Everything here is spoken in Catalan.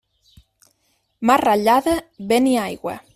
Mar ratllada, vent i aigua.